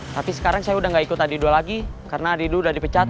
tapi sekarang saya enggak ikut adidu lagi karena adidu udah dipecat